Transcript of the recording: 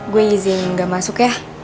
gue izin gak masuk ya